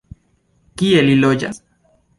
Kie li loĝas?